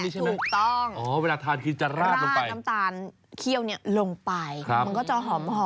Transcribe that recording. ใช่ค่ะนี่แหละถูกต้องราดน้ำตาลเคี้ยวลงไปมันก็จะหอม